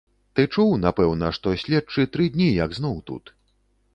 Ты чуў, напэўна, што следчы тры дні як зноў тут.